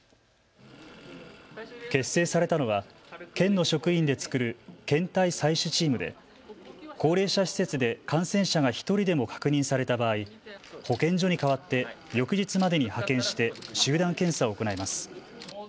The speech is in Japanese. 結成されたのは県の職員で作る検体採取チームで高齢者施設で感染者が１人でも確認された場合、保健所に代わって翌日までに派遣して集団検査を行います。